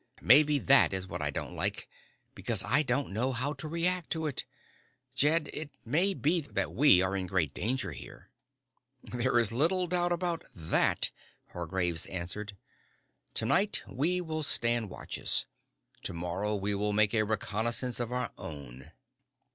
Maybe that is what I don't like because I don't know how to react to it. Jed, it may be that we are in great danger here." "There is little doubt about that," Hargraves answered. "Tonight we will stand watches. Tomorrow we will make a reconnaissance of our own."